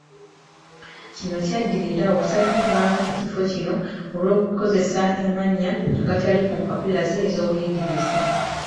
Kino kyaddirira okusazibwamu ku kifo kino olw'okukozesa amannya agatali ku mpapula ze ez'obuyigirize.